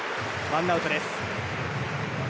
ワンアウトです。